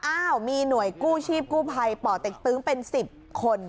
อ้าวมีหน่วยกู้ชีพกู้ภัยป่อเต็กตึงเป็น๑๐คน